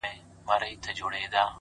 اوس كرۍ ورځ زه شاعري كومه-